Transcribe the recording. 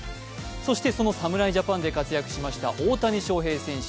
そしてその侍ジャパンで活躍しました大谷翔平選手。